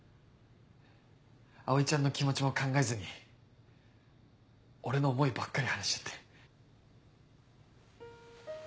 葵ちゃんの気持ちも考えずに俺の思いばっかり話しちゃって。